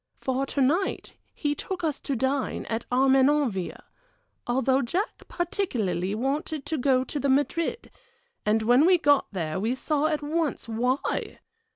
For to night he took us to dine at Armenonville although Jack particularly wanted to go to the Madrid and when we got there we saw at once why!